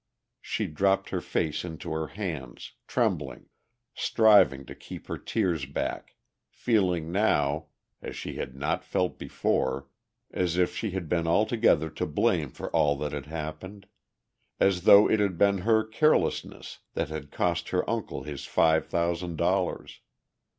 She dropped her face into her hands, trembling, striving to keep her tears back, feeling now, as she had not felt before, as if she had been altogether to blame for all that had happened, as though it had been her carelessness that had cost her uncle his five thousand dollars.